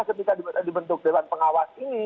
ketika dibentuk dewan pengawas ini